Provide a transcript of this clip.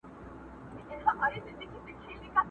که یو ځلي دي نغمه کړه راته سازه،